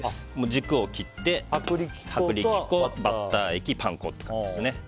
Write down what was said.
軸を切って薄力粉、バッター液、パン粉という感じですね。